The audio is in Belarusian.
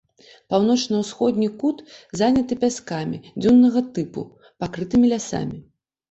Паўночна-ўсходні кут заняты пяскамі дзюннага тыпу, пакрытымі лясамі.